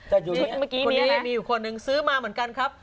ชุดเมื่อกี้มีอะไรนะมีคนหนึ่งซื้อมาเหมือนกันครับ